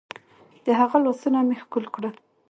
د هغه لاسونه مې ښكل كړل.